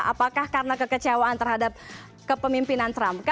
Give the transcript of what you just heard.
apakah karena kekecewaan terhadap kepemimpinan trump